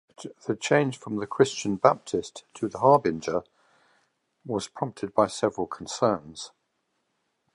The change from the "Christian Baptist" to the "Harbinger" was prompted by several concerns.